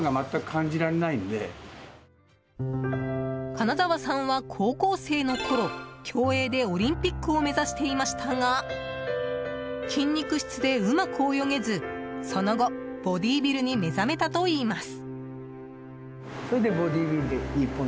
金澤さんは、高校生のころ競泳でオリンピックを目指していましたが筋肉質でうまく泳げずその後、ボディービルに目覚めたといいます。